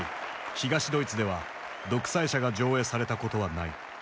東ドイツでは「独裁者」が上映されたことはない。